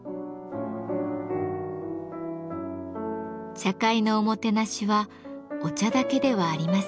茶会のおもてなしはお茶だけではありません。